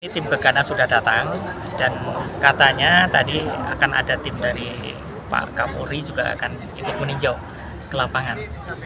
tim begana sudah datang dan katanya tadi akan ada tim dari pak kapolri juga akan ikut meninjau ke lapangan